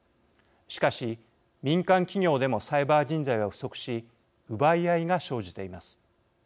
しかし、民間企業でもサイバー人材は不足し奪い合いが生じています。